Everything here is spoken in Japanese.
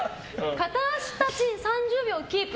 片足立ち３０秒キープ。